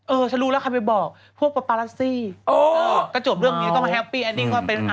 เออฉันรู้แล้วใครเป็นไปบอก